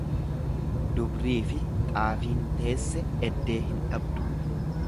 Dubriifi xaafiin teesse eddee hin dhabdu.